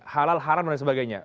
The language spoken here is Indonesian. halal haram dan sebagainya